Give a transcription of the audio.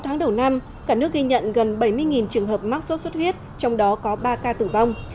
sáu tháng đầu năm cả nước ghi nhận gần bảy mươi trường hợp mắc sốt xuất huyết trong đó có ba ca tử vong